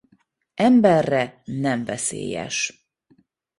Emberre nem veszélyes.